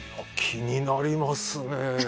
気になりますね。